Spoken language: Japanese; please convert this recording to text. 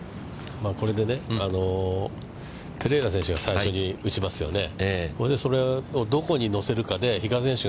これでペレイラ選手が最初に打ちますよね。